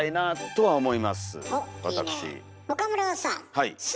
はい。